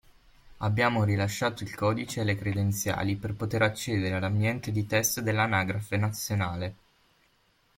Abbiamo rilasciato il codice e le credenziali per poter accedere all'ambiente di test dell'Anagrafe nazionale.